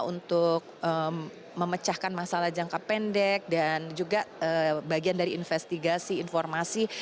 untuk memecahkan masalah jangka pendek dan juga bagian dari investigasi informasi